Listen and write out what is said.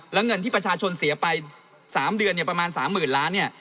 แล้วเงินที่ประชาชนเสียไป๓เดือนเนี่ยประมาณ๓๐๐๐ล้านเนี่ย